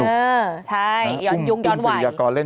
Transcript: เป็นการกระตุ้นการไหลเวียนของเลือด